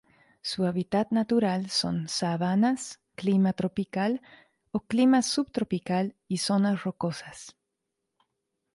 Su hábitat natural son: Sabanas, Clima tropical o Clima subtropical y zonas rocosas.